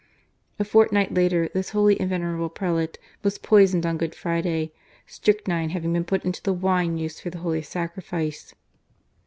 A fortnight later, this holy and venerable prelate was poisoned on Good Friday, strychnine having been put into the wine used for the Holy Sacrifice